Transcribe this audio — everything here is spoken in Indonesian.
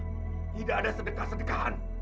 tidak ada sedekah sedekahan